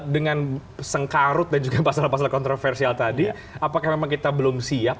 dengan sengkarut dan juga pasal pasal kontroversial tadi apakah memang kita belum siap